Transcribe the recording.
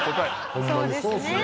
ホンマにそうっすね。